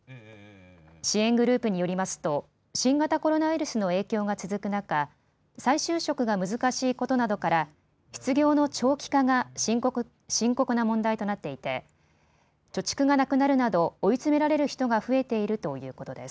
支援グループによりますと新型コロナウイルスの影響が続く中、再就職が難しいことなどから失業の長期化が深刻な問題となっていて貯蓄がなくなるなど追い詰められる人が増えているということです。